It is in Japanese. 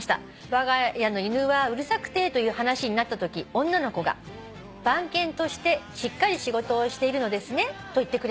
わが家の犬はうるさくてという話になったとき女の子が『番犬としてしっかり仕事をしているのですね』と言ってくれました。